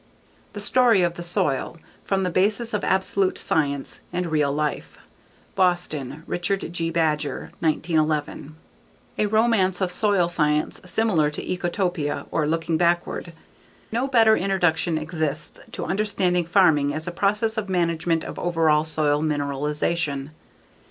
_The Story of the Soil: From the Basis of Absolute Science and Real Life. _Boston: Richard G. Badger, 1911. A romance of soil science similar to Ecotopia or Looking Backward. No better introduction exists to understanding farming as a process of management of overall soil mineralization.